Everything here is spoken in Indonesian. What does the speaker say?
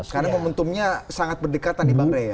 karena momentumnya sangat berdekatan di bangre ya